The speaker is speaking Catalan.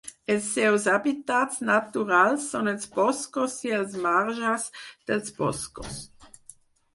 Els seus hàbitats naturals són els boscos i els marges dels boscos.